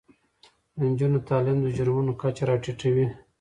د نجونو تعلیم د جرمونو کچه راټیټوي.